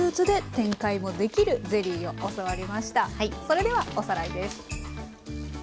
それではおさらいです。